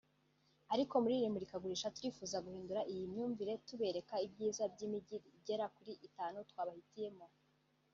Ariko muri iri murikagurisha turifuza guhindura iyi myumvire tubereka ibyiza by’imijyi igera kuri itanu twabahitiyemo”